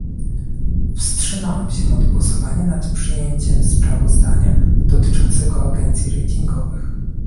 Wstrzymałem się od głosowania nad przyjęciem sprawozdania dotyczącego agencji ratingowych